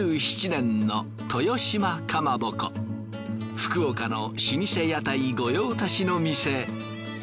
福岡の老舗屋台御用達の店。